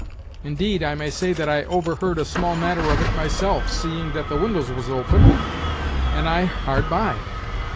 Indeed, I may say that I overheard a small matter of it myself, seeing that the windows was open, and I hard by.